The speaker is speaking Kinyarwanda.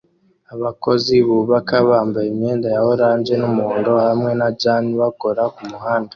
Abakozi bubaka bambaye imyenda ya orange n'umuhondo hamwe na jans bakora kumuhanda